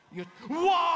うわ！